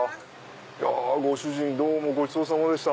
ご主人どうもごちそうさまでした。